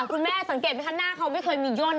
คุณแม่สังเกตไหมคะหน้าเขาไม่เคยมีย่น